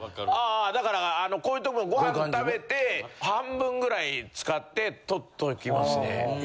だからこういうとこご飯食べて半分ぐらい使って取っときますね。